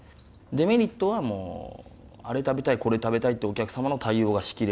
デメリットはもうあれ食べたいこれ食べたいってお客様の対応がし切れないっていう。